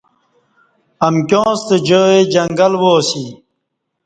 امکیاں ستہ جائی جنگل وا اسی۔